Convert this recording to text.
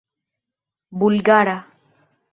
bulgara